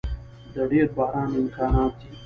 د ډیر باران امکانات دی